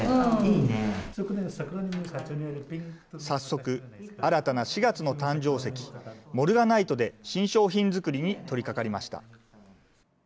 早速、新たな４月の誕生石、モルガナイトで新商品作りに取りかかりました。